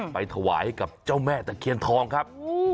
ไปถวายให้กับเจ้าแม่ตะเคียนทองครับ